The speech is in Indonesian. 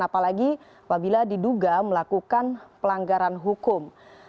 apalagi apabila diduga melakukan pelanggaran hukum